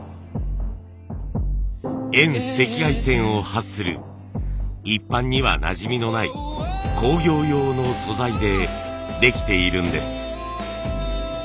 遠赤外線を発する一般にはなじみのない工業用の素材でできているんです。